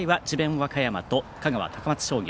和歌山と香川・高松商業。